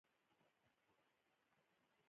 په خوځښت کې د قوي هوډ لرونکي خلک هم شامليږي.